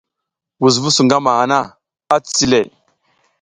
Wusnu su ngama hana a cici le.